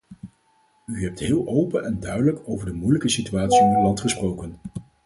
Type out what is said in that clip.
U hebt heel open en duidelijk over de moeilijke situatie in uw land gesproken.